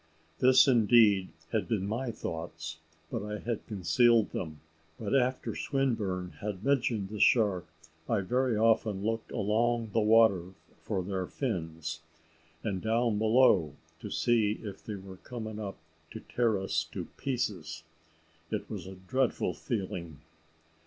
This, indeed, had been my thoughts, but I had concealed them; but after Swinburne had mentioned the shark, I very often looked along the water for their fins, and down below to see if they were coming up to tear us to pieces. It was a dreadful feeling.